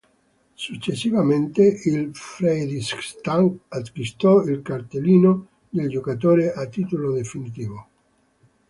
Successivamente, il Fredrikstad acquistò il cartellino del giocatore a titolo definitivo.